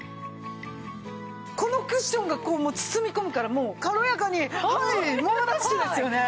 このクッションが包み込むからもう軽やかに猛ダッシュですよね。